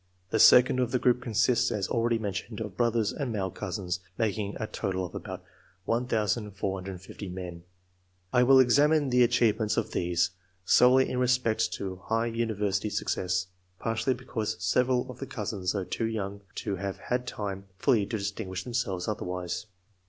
The second of the groups consists as already mentioned, of brothers and male cousins, making a total of about 1,450 men. I will examine F 2 68 ENGLISH MEN OF SCIENCE. [chap. the achievements of these, solely in respect to high university success, partly because several of the cousins are too young to have had time fully to distinguish themselves otherwise.